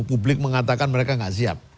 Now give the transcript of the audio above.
publik mengatakan mereka tidak siap